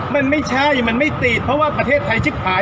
มันไม่ใช่มันไม่ติดเพราะว่าประเทศไทยชิบขาย